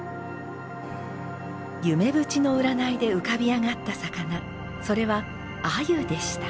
夢淵の占いで浮かび上がった魚それは鮎でした。